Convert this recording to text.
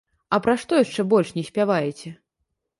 А пра што яшчэ больш не спяваеце?